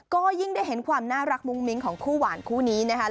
ก็ยิ่งได้เห็นความน่ารักมุ้งมิ้งของคู่หวานคู่นี้นะคะ